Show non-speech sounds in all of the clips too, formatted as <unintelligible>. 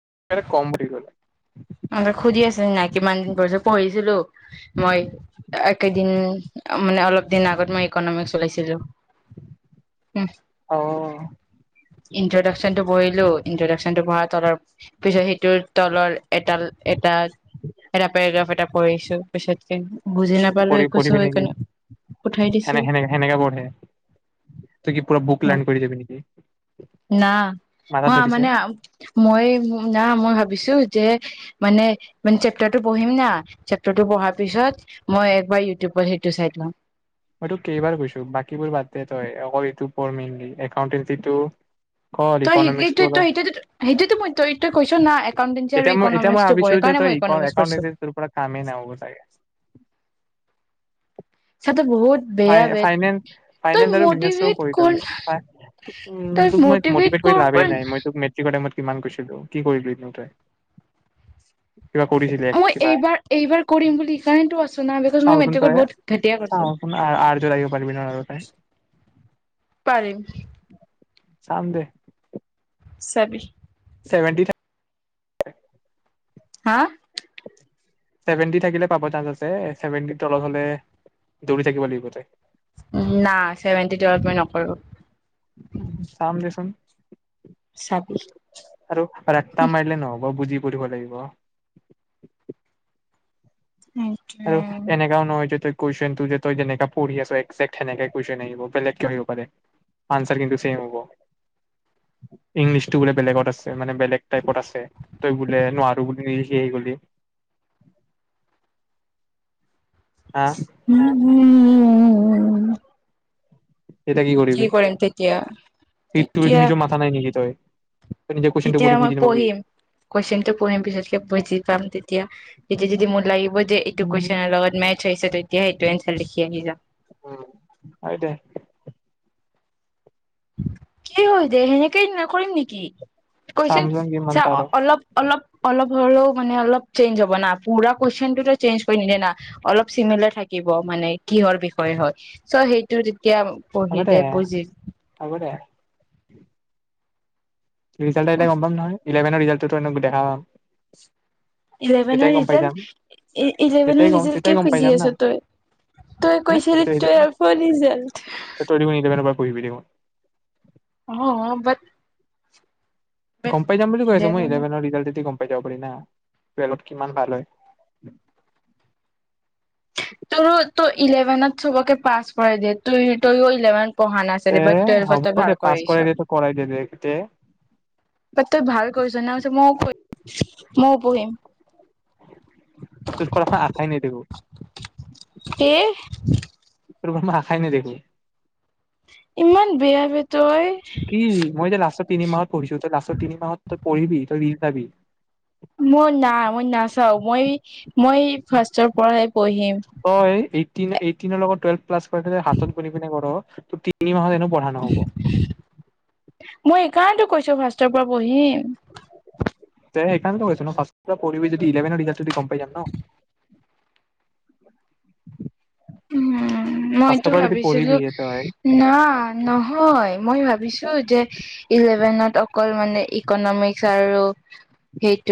<unintelligible> আৰু সুধি আছিল নাই কিমান পঢ়িছিলো পঢ়িছিলো মই একেইদিন মানে অলপ দিন আগত মই ইকনমিকচ উলাইছিলো লৈছিলোঁ অ ইন্ট্ৰডাকচন টো পঢ়িলোঁ ইনট্ৰডাকচন টো পঢ়াৰ তলৰ পিছত সেইটোৰ তলৰ এটা এটা এটা পেৰাগ্ৰাফ এটা কৰিছো পিছত কিন্তু তই পঢ়ি পঢ়িবি নেকি উঠাই দিছো সেনে সেনেকা সেনেকা পঢ়ে তই কি পুৰা বুক লাৰন কৰি জাবি নেকি? না মাথাত অহ ধৰিছে মানে মই না মই ভাবিছো যে মানে চেপটাৰ্টো পঢ়িম না ছেপটাৰ্টো পঢ়াৰ পিছত মই একবাৰ ইউটিউবত সেইটো চাই লম। মই তোক কেইবাৰ কৈছো বাকীবোৰ বাদ দে তই অ এইটো পঢ় মেইনলি একাউনটেঞ্চিটো তই এইটো তই সেইটো সেইটোতো মই তই তই কৈছ না একাউন্টেঞ্চি আৰু এতিয়া মই এতিয়া মই ইকনমিক্সটো ভাবিছো পঢ়েই যে কাৰণে তই মই ইক ইকনমিক্স পঢ়ছো। একাউণ্টেঞ্চিত তোৰ পৰা কামেই নহ'ব চাগে চাতে বহুত বেয়া বে ফাইনেন তই ফাইনেন্স আৰু বিজিনেছটো মটিভেট কৰি কৰ থবি না, তই তোক মই মটিভেট মতিভেট কৰ কৰি লাভেই কৰ নাই মই তোক মেট্ৰিকৰ টাইমত কিমান কৈছিলো কি কৰিলো নো তই কিবা কৰিছিলি মই কিবা এইবাৰ এইবাৰ কৰিম বুলি সেইকাৰণে টো আছো ন বিকজ মই মেট্ৰিকত বহুত ঘাটিয়া কৰিছো। তাৰ পিছত আহিব পাৰিবিনো তই পাৰিম চাম দে চাবি চেভেনটি টা হা চেভেনটি থাকিলে পাব চান্স আছে। ছেভেনটি তলত হলে দৌৰি থাকিব লাগিব তই নাই চেভেনটি তলত মই নকৰো। চাম দেচোন চাবি আৰু ৰাত্তা মাৰিলে নহ'ব বুজি পাঢ়িব লাগিব আৰু সেইটোৱে এনেকাও নহয় যে তই কুৱেচন টু তই যেনেকে পঢ়ি আছ একজেকট সেনেকে কুৱেচন আহিব বেলেগ কেও আৰু আহিব পাৰে আনচাৰ কিন্তু চেম হ'ব। ইংলিছ টো বোলে বেলেগত আছে মানে বেলেগ তাইপট আছে তই বোলে নুৱাৰো বুলি নিলিখি আহি গলি হা উম উম উম উম উম এটা কি কৰিবি সেইটোৱে তেতিয়া তু নিজৰ মাথা নাই নেকি তই তই নিজে কুৱেশনটো তেতিয়া পঢ়ি মই বুজি নাপাবি পঢ়িম কুৱেশ্বন টো পঢ়িম পিছতকে বুজি পাম তেতিয়া তেতিয়া যদি মোৰ লাগিব যে এইটো উম কুৱেশ্বনৰ লগত মেচ হৈছে এতিয়া সেইটোৱেই এনচাৰ লিখি আহি যাম উ হয় দে কি হয় দে সেনেকেই নকৰিম নেকি কৈছিল চামচোন কিমান চ পাৰ অলপ অলপ অলপ হ'লেও মানে অলপ চেঞ্জ হব না পুৰা কুৱেশন টোতো চেঞ্জ কৰি নিদিয়ে না অলপ চিমিলাৰ থাকিব মানে কিহৰ বিষয়ে হয় চ' সেইটো কিয়া পঢ়ি দে বুজিল হ'ব দে ৰিজাল্ আহিলে গম পাম নহয় ইলেভেনৰ ৰিজাল্টতো টো এনে দেখা পাম তেতিয়াই ইলেভেনৰ গম পাই যাম ৰিজাল্ট ই তেতিয়াই ইলেভেনৰ গম ৰিজাল্ট তেতিয়াই কিয় গম পাই খুজি যাম না আছ তই তই নে কৈছিলি সেইটো টুৱেলফৰ ৰিজাল্ট সেইটো তই দেখোন ইলেভেনৰ পৰা পঢ়িবি দেখোন অ বাট বাট গম পাই যাম বুলি কৈছে মই ইলেভেন ইলেভেনৰ ৰিজাল্ট গম পাই যাব পাৰি না টুৱেলফট কিমান ভাল হয় তোৰ তো ইলেভেনত চবকে পাছ কৰাই দিয়ে তইও ত ইলেভেন পঢ়া নাছিল তে বা টুৱেলফত হ'ব তই ভাল দে পাছ কৰিছ কৰাই দে তই কৰাই দে দে তে বা তই ভাল কৰিছ ন ময়ও ময়ও পঢ়িম তোৰ পৰা মই আশাই নেদেখো সে তোৰ দেখোন মই আখাই নেদেখো ইমান বেয়া বে তই কি মই যে লাষ্টত তিনি মাহত পঢ়িছো তই লাষ্টত তিনি মাহত তই পঢ়িবি তই ৰিল চাবি মই না মই নাচাও মই মই ফাৰ্ষ্টৰ পঢ়াই হয় এই এইটিনৰ লগত টুৱেলফ প্লাছ কৰিব দিলে হাতত গুনি পিনে কৰ ত তিনি মাহ এনেক পঢ়া নহ'ব মই সেইকাৰণেতো কৈছো ফাৰ্ষ্টৰ পৰা পঢ়িম দে সেইকাৰণে টো কৈছোঁ ন ফাৰ্ষ্টৰ পৰা পঢ়ি যদি ইলেভেনৰ ৰিজাল্ট দি গম পাই যাম ন উম ফাৰ্ষ্টৰ মইতো পৰা যদি ভাবিছিলো পঢ়িবিয়ে তই না নহয় মই ভাবিছিলো যে ইলেভেনত অকল মানে ইকনমিকস আৰু স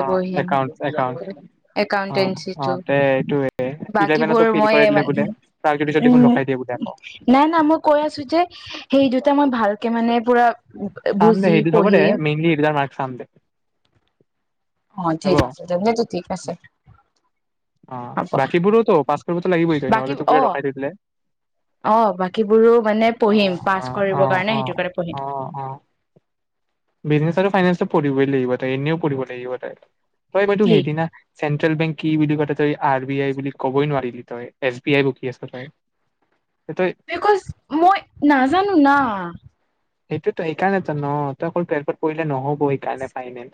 অ একাউণ্ট একাউণ্ট অ অ একাউন্টেঞ্চিটো তই তো ইলেভেনতো উ কৰাই দিলে বোলে প্ৰাক জ্যোতিষত দেখোন ৰখাই দিয়ে বোলে আকৌ। নাই না মই কৈ আছো যে সেই দুটা মই ভালকে মানে পুৰা বুজি পঢ়িম মই চাম দে। অ হ'ব ঠিক আছে সেটো ঠিক আছে। অ হ'ব বাকীবোৰোতো পাচ কৰিবতো লাগিবই তই বাকী নহলে তোক অ বোৰে ৰখাই দি দিলে অ বাকীবোৰো মানে পঢ়িম অঁ পাছ অঃ কৰিবৰ কাৰণে অঁ সেইটো কাৰণে পঢ়িম অঁ অ অ, বিজনেছ আৰু ফাইনেন্স পঢ়িবই লাগিব তই এনেও পঢ়িব লাগিব তই। তই এই ব তু কি হেই দি ন <unintelligible> চেন্ট্ৰেল বেংক কি বুলি ক তই আৰ বি আই বুলি কবই নোৱাৰিলি তই এছ বি আই বকি আছ তই। তই বিকজ মই নাজানো ন সেইটোতো সেইকাৰণে ত ন তই অকল টুৱেল্ভত পঢ়িলে নহ'ব। ব কাৰে ফাইনেল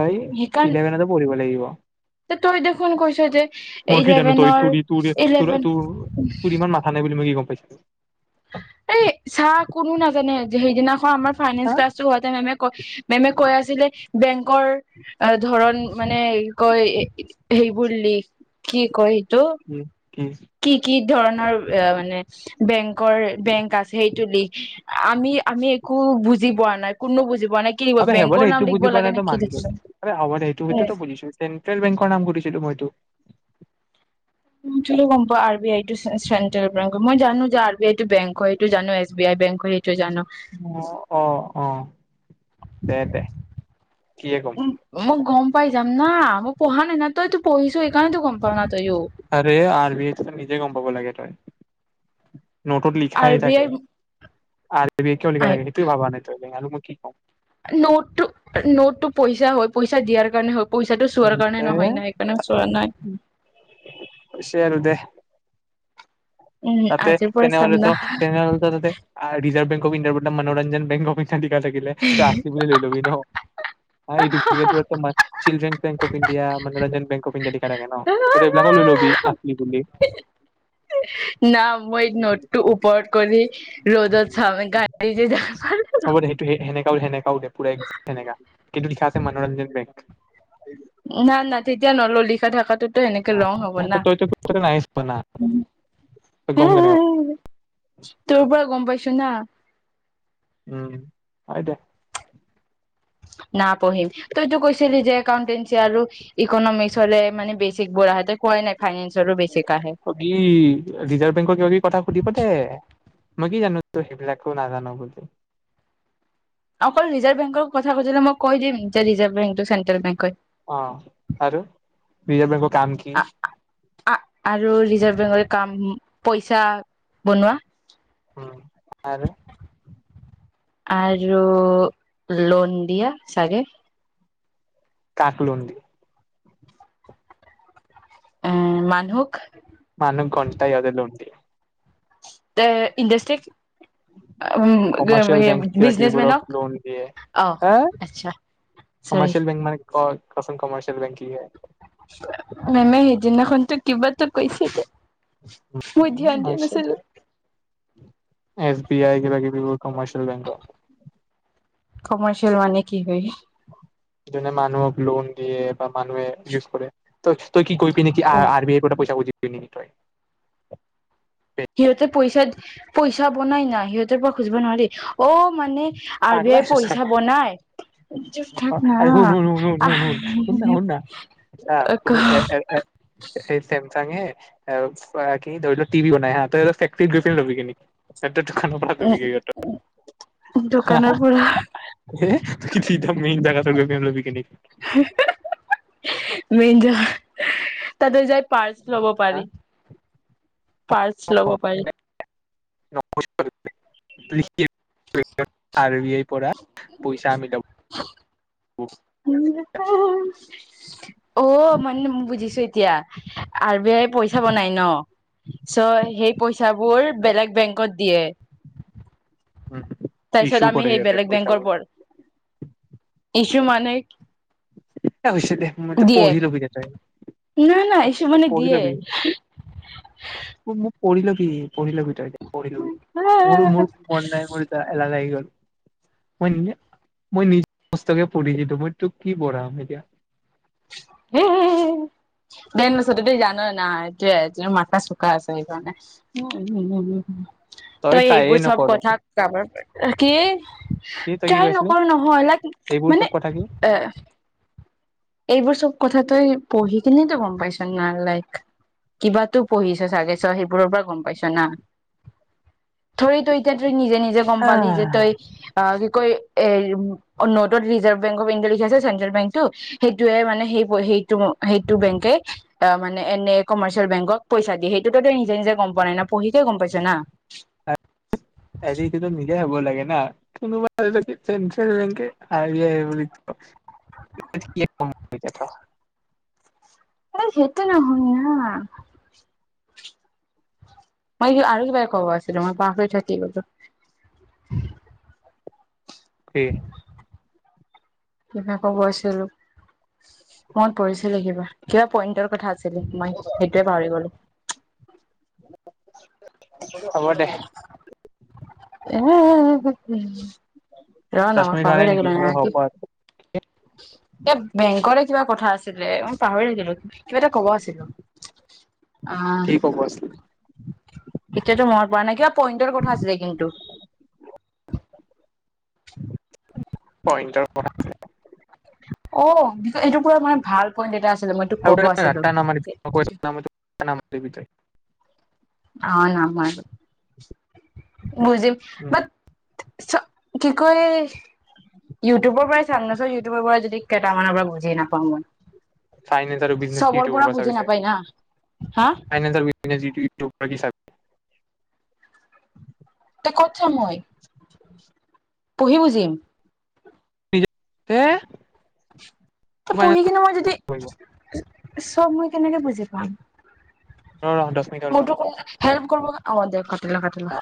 তই সেইকাৰণ ইলেভেনতো পঢ়িব লাগিব। তই দেখোন কৈছ যে মই কি জানো তই ইলেভেনৰ তোৰ তোৰ তোৰ ইলেভেন। তোৰ তোৰ ইমান মাথা নাই <unintelligible> এই চাহ কোনো নাজানে যে সেইদিনাখন আমাৰ ফাইনেন্স হা ক্লাছো হোৱাতে মেমে ক মেমে কৈ আছিলে বেংকৰ ধৰন মানে কয় সেই বুলি কি কৰিম দু কি কি ধৰণৰ মানে বেংক বেংক আছে সেইটো লি আমি আমি একো, বুজি পোৱা নাই কোনো বুজি পোৱা নাই কি লিখিব আ হব দে বেংকৰ নাম এইটো লিখিব বুজি পোৱা লাগে নে নটো কি মানিছ লিখিব হব সেইটো সতো বুজিছো চেন্ট্ৰেল বেংকৰ নাম সোদিছিলো মইটো, ল গম পোৱা R B I central bank হয় মই জানো যে আৰ বি আই টো বংক হয় এইটো জানো এছ বি আই বেংক হয় এইটো, অ অ অ। দে দে কিহে কম। মই গম পাই যাম না মই পঢ়া নাই না তই তো পঢ়িছো সেইকাৰণেত তো গম পাও না তইও আৰে আৰ বি আই নিজে গম পাব লাগে তই। নোটত আৰ লিখাই বি থাকে। আই আৰ, বি কিয় লিখা থাকে সেইটোৱেই ভৱা নাই তই। আৰু মই কি কম। নোট টো নোট, টো পইচা হয় পইচা দিয়াৰ কাৰণে হয়। পইচাটো চোৱাৰ কাৰণে দে নহয় ন সেইকাৰণে চোৱা নাই হৈছে আৰু দে উম তাতে আজিৰ পৰা চাম তেনেহ'লেত না তেনেহলেত তাতে আৰ ৰিজাৰ্ভ বেংক কবি নে উল্তা মনোৰঞ্জন বেংক হবে থাকিলে থাকিলে ত আচলি বুলি লৈ ল'বি ন আৰু এইটো চিল্ড্ৰেন বেক অফ ইণ্ডিয়া মনোৰঞ্জন বেংক অফ ইণ্ডিয়া লিখা থাকে ন তই ত এইবিলাকো লৈ ল'বি আচলি বুলি। না মই নোদ টো ওপৰত কৰি ৰ'দত চাম গান্ধীৰে কপাল হ'ব দে সেইটোৱে সেই। সেনেকাও সেনেকাও দে পৰা সেনেকা কিন্তু লিখা আছে মনোৰঞ্জন বেংক। না না তেতিয়া নলওঁ লিখা থাকাত। টো ত এনেকে ৰং হ'ব না তইতো নাই চোৱা না উম্ তই গম হম্ কেনেকে হম্ পাবি? হম্। তোৰ পৰা গম পাইছো না। উম হয় দে। না পঢ়িম তইতো কৈছিলি যে একাউন্টেঞ্চি আৰু ইকনমিক্স। হলে মানে বেছিক বোৰা হয়। হয় নাই। ফাইনেন্সৰো বেচিক আহে কি ৰিজাৰ্ভ বেংকৰ কিবা কিবি কথা সুধি পঠাই ম‌ই কি জানো ত‌ই সেই বিলাকো নাজান বুলি। অকল ৰিজাৰ্ভ বেংক কথা সুধিলে মই কৈ দিম যে ৰিজাৰ্ভ বেংকটো চেন্ট্ৰেল বেংক হয়। অ আৰু ৰিজাৰ্ভ বেংকৰ। কাম কি? আৰু ৰিজাৰ্ভ বেংকৰ কাম। পইচা বনোৱা। উম আৰু আৰু লোন দিয়া ছাগে কাক লোন দিয়ে এ মানুহক মানুহক ঘন্টা ইহতে লোন দিয়ে। ইন্ডাস্ট্রি কমাৰ্চিয়েল বেংক কিবা কিবিবোৰক বিজনেচমেনক লোন দিয়ে অ হা আচছা কমাৰ্চিয়েল বেংক মানে ক কচোন কমাৰচিয়েল বেংক কি হয়। মেমে সেইদিনাখন তো কিবাতো কৈছে এছ বি আই কিবা কিবি বোৰ কমাৰ্চিয়েল বেংক কয়। কমাৰ্চিয়েল মানে কি হয়? যেনে মানুহক লো'ন দিয়ে। মানুহে ইউজ কৰে ত তই কি গৈ পিনে অ আৰ বি আইৰ পৰা পইচা খুজিবি। তিনিটাই সিহঁতে পইচা পইচা বনাই না সিহঁতৰ পৰা খুজিব নোৱাৰি অ মানে। আৰ বি পাগলা আই হৈছ পইচা বনাই থাক ন আৰে শুন শুন শুন শুন আহ শুন শুন শুন না শুন না হা চাগে কি ধৰি ল টিভি বনাই তই গৈ ফেক্টৰী গৈ কিনি লবি নেকি এইটো ধৰা হেলপাৰ হবিগে সিহতৰ হা দোকানৰ হা পৰা চিধা মেইন জেগাত। তাতে লবি কিনি হে-হে মন যায় তাতে যায় পাৰ্ছ লব হা পাৰি। পাৰ্ছ লব পাৰি। লিখি আৰ বি আই পৰা পইচা আমি লব হম অ মানে বুজিছো। এতিয়া আৰ বি আই পইচা বনাই ন চ' সেই পইচাবোৰ বেলেগ বেংকত দিয়ে ইছ্যু তাৰপিছত আমি কৰে সেই ইয়াতে বেলেগ বেংকৰ পইচাবোৰ পৰা যু মানে এ হৈছে দে মই দিয়ে পঢ়ি ল'বি দে তই নাই নাই ইছ্যু মানে পঢ়ি দিয়ে লবি উম পৰিল কি পঢ়ি লবি তই পঢ়িলবি মোৰ মোৰ মন নাই মোৰ এতিয়া এলাহ লাগি গ'ল মই মই নিজ সমস্তকে পঢ়ি দিতো মই তোক কি পঢ়াম এতিয়া। দেন নছতি জান নাই এইটোৱে মাথা চোকা আছে সেইকাৰণে তই ট্ৰায়ে এইবোৰ চব নকৰ কথা কাব কি কি তই কি তাই কৈছিলি নকৰ নহয় লাক এইবোৰ মানে চব কথা কি এ এইবোৰ চব কথা তই পঢ়ি কিনে তো গম পাইছ। কিবা পঢ়িছ চাগেছ চ সেইবোৰৰ পৰা গম পাইছ না থৰিতো এতিয়া নিজে নিজে গম পালি যে আহ তই অ কি কয় এ নটত ৰিজাৰ্ভ বেংক অফ ইণ্ডিয়া লিখি আছে চেণ্ট্ৰেল বেংক টো সেইটোৱে মানে সেই সেই সেইটো বেংকে মানে এনে কমাৰ্চিয়েল বেংকক পইচা দিয়ে সেইটোতো নিজে নিজে গম পোৱা নাই না পঢ়িকে গম পাইছে না হেৰিটোতো নিজে হ'ব লাগে না কোনোবা চেট্ৰেল বেংকে আৰ বি আই বুলি কয়। সেইটো নহয় ন হা মই কি আৰু কিবাৰে ক'ব আছিলো মই পাহৰি থাকি গলো উম কিবাকো গৈছিলো মন পৰিছিলে কিবা কিবা পইন্টৰ কথা আ আছিল মই সেইটোৱে পাহৰি গলো। হ'ব দে। উম। ৰ দহ না মই মিনিট হোৱা নাই পাহৰি নেকি অ থাকিলোঁ। হ'ব <unintelligible> এ বেংকৰে কিবা কথা আছিলে। মই পাহৰি থাকিলো কিবা এটা কব আছিল। অহ। কি ক'ব আছিল এতিয়াতো মনত পৰা নাই। কিবা পইণ্টৰ কথা আছিলে কিন্তু। পইণ্টৰ ক <unintelligible> অ এইটো পুৰা মানে ভাল পইণ্ট এটা আছিল। <unintelligible> অ নামাৰো। বুজিম উম, বাট কি কয়? ইউটিউবৰ পৰাই চাম নচ ইউটিউবৰ পৰা যদি কেইটামানৰ পৰা বুজি নাপাওঁ মই। ফাইনেন্স আৰু বিজনেচ কি চবৰ ইউটিউবৰ পৰা বুজি চাবি তই? নাপাই না হা ফাইনেন্স আৰু বিজনেছ ইউ টো তই কি চাবি? তে ক'ত চাম মই? পঢ়ি বুজিম? নিজ হে <unintelligible> ত পঢ়ি ফাইনেন্স কিনে মই যদি ৰ চব মই কেনেকে বুজি পাম? ৰ দহ মিনিট হ'ল মই ৰ তোক হেল্প কৰব কাৰণে। অ দে কাটি ল, কাটি ল।